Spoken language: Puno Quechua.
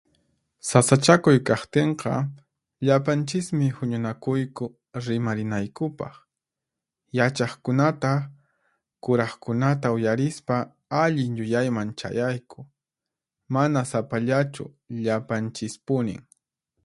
Sasachakuy kaqtinqa, llapanchismi huñunakuyku rimarinaykupaq. Yachaqkunata, kuraqkunata uyarispa, allin yuyayman chayayku. Mana sapallachu, llapanchispunin.